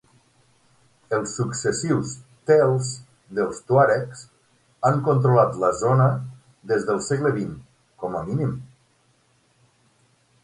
Els successius "Tel"s dels tuaregs han controlat la zona des del segle XX, com a mínim.